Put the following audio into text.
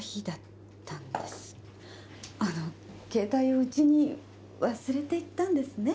あの携帯をウチに忘れていったんですね。